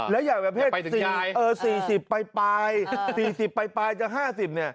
แล้วอย่าเป็นเกษตร๔๐ไป๔๐ไปจน๕๐นี่